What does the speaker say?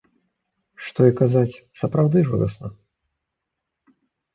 Што і казаць, сапраўды жудасна.